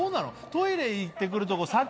トイレ行って来るとこ。